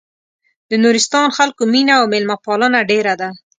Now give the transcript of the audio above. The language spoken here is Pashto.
د نورستان خلکو مينه او مېلمه پالنه ډېره ده.